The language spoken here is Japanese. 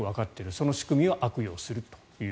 その仕組みを悪用すると。